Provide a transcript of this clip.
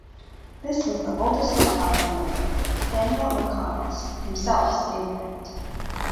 This was the oldest hotel in Limerick; Daniel O'Connell himself stayed in it.